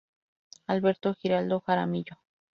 Alberto Giraldo Jaramillo.